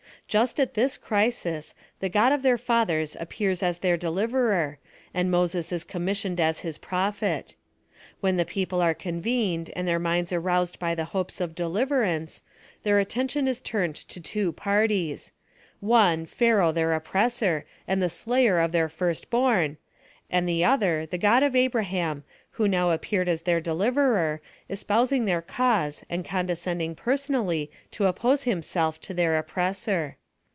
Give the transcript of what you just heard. Just at this crisis, the God of theii fathers appears as their deliverer, and Moses is commissioned as His prophet. When the people are convened and their minds aroused by the hopes of deliverance, their attention is turned to two parties: one Pliaraoh their oppressor and the slayer of their first born, and the other the God of Abraham, who now ap peared as their deliverer, espousing their cause and condescending personally to oppose Himself to their oppressor.